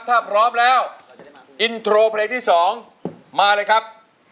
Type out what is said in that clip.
ถ้าพร้อมแล้วอินโทรเพลงที่๒มาเลยครับ